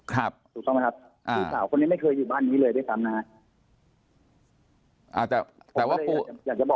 ถูกต้องไหมครับพี่สาวคนนี้ไม่เคยอยู่บ้านนี้เลยด้วยซ้ำนะครับ